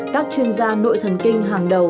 các chuyên gia nội thần kinh hàng đầu